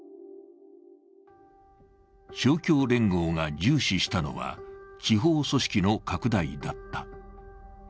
勝共連合が重視したのは、地方組織の拡大だった。